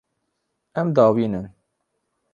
Em diavînin.